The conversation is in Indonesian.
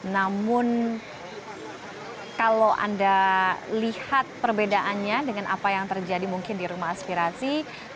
namun kalau anda lihat perbedaannya dengan apa yang terjadi mungkin di rumah aspirasi